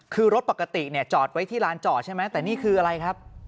คือรถปกติเนี่ยจอดไว้ที่ลานจอดใช่ไหมแต่นี่คืออะไรครับ